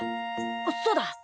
そうだ！